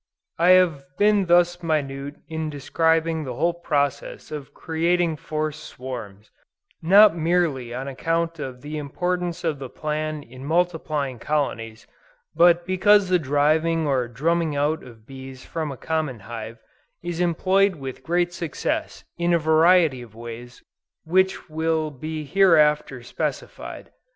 I have been thus minute in describing the whole process of creating forced swarms, not merely on account of the importance of the plan in multiplying colonies, but because the driving or drumming out of bees from a common hive, is employed with great success in a variety of ways which will be hereafter specified.